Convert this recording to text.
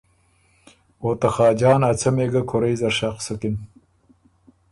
او ته خاجان ا څمی ګۀ کُورئ زر شخ سُکِن۔